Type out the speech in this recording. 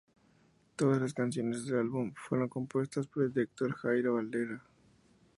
Todas las canciones del álbum fueron compuestas por el director Jairo Varela.